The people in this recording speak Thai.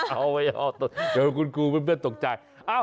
เอาไว้เอาตรงนี้เดี๋ยวคุณครูเพื่อนตกใจ